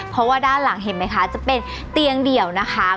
เพราะว่าด้านหลังเห็นไหมคะจะเป็นเตียงเดี่ยวนะคะ